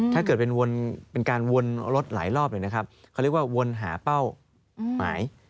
ถ้าเกิดเป็นวนเป็นการวนรถหลายรอบเลยนะครับเขาเรียกว่าวนหาเป้าหมาย